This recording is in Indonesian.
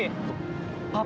aku gak percaya sama kamu